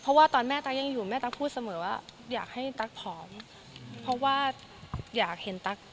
เพราะว่าตอนแม่ตั๊กยังอยู่แม่ตั๊กพูดเสมอว่าอยากให้ตั๊กผอมเพราะว่าอยากเห็นตั๊ก